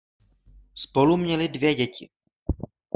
Spolu měli dvě děti.